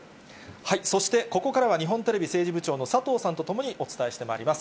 そして、ここからは日本テレビ政治部長の佐藤さんと共にお伝えしてまいります。